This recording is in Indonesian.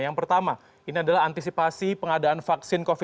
yang pertama ini adalah antisipasi pengadaan vaksin covid sembilan belas